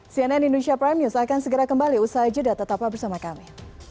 cnn indonesia prime news akan segera kembali usai jeda tetaplah bersama kami